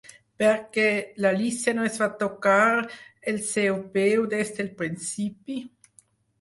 Per què l'Alícia no es va tocar el seu peu des del principi?